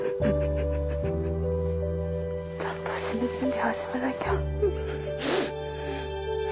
ちゃんと死ぬ準備始めなきゃ。